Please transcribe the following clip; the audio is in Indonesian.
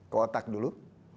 ke otak dulu